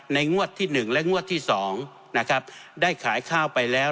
ในงวดที่หนึ่งและงวดที่สองนะครับได้ขายข้าวไปแล้ว